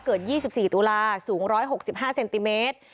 ๒๔ตุลาสูง๑๖๕เซนติเมตร